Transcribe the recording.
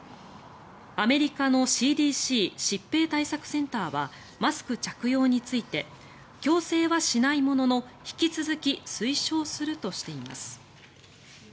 アメリカのＣＤＣ・疾病対策センターはマスク着用について強制はしないものの引き続き推奨するとしています。